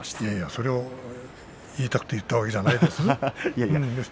それを言いたくて言ったわけじゃないですよ。